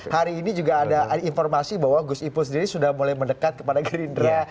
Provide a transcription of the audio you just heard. hari ini juga ada informasi bahwa gus ipul sendiri sudah mulai mendekat kepada gerindra